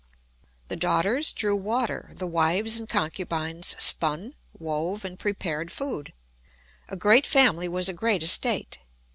The daughters drew water, the wives and concubines spun, wove, and prepared food. A great family was a great estate.